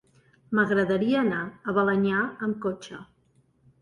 M'agradaria anar a Balenyà amb cotxe.